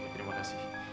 oke terima kasih